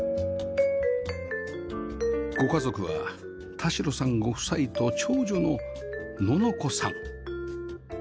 ご家族は田代さんご夫妻と長女の乃々子さん